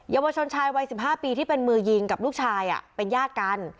ยาวชนชายวัย๑๕ปีที่เป็นมือยิงกับลูกชายเป็นญาติกัน